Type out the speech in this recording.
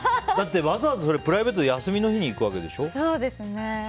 わざわざプライベートに休みの日に行くわけでしょ。